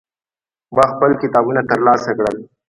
ما خپل کتابونه ترلاسه کړل.